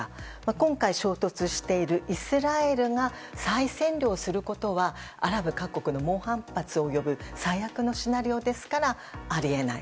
今回、衝突しているイスラエルが再占領することはアラブ各国の猛反発を呼ぶ最悪なシナリオですからあり得ない。